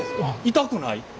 痛くない。